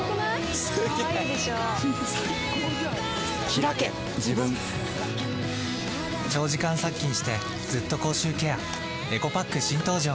ひらけ自分長時間殺菌してずっと口臭ケアエコパック新登場！